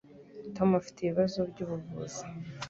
Tom afite ibibazo byubuvuzi?